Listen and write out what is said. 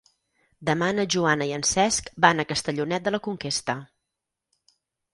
Demà na Joana i en Cesc van a Castellonet de la Conquesta.